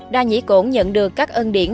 đa nhĩ cổn nhận được các ân điển